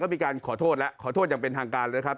มีการขอโทษแล้วขอโทษอย่างเป็นทางการเลยครับ